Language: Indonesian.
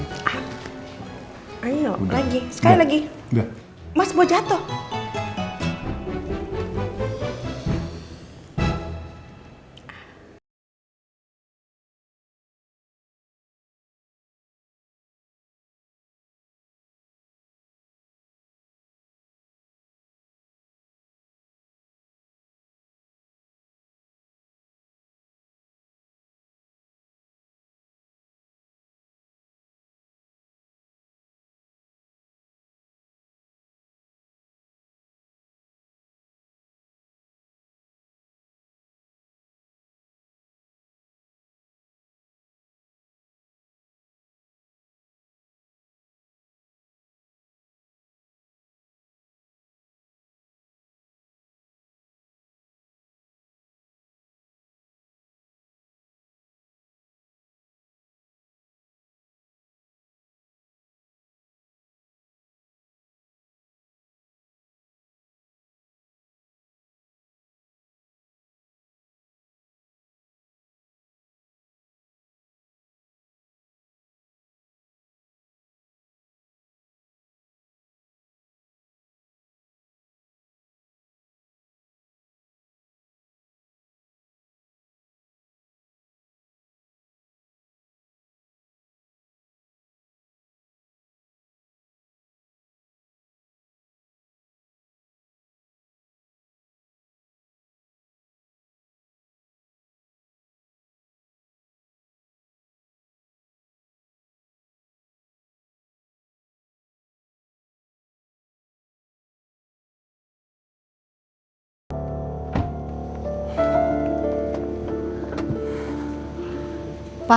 gak bahkan bisa ia tinggal semakin lama